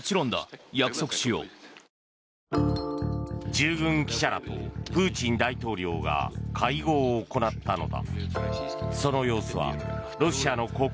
従軍記者らとプーチン大統領が会合を行ったのだ。